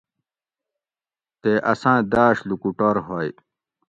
تے اساۤں داۤش لوکوٹور ہوئ